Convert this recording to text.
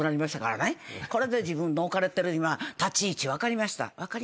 これで自分の置かれてる立ち位置分かりましたと。